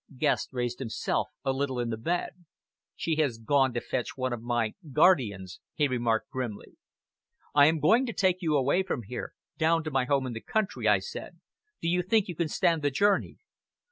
Guest raised himself a little in the bed. "She has gone to fetch one of my guardians," he remarked grimly. "I am going to take you away from here down to my home in the country," I said. "Do you think you can stand the journey?"